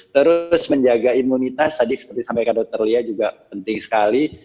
terus menjaga imunitas tadi seperti sampaikan dokter lia juga penting sekali